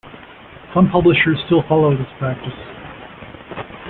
Some publishers still follow this practice.